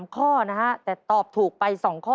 ข้อนะฮะแต่ตอบถูกไป๒ข้อ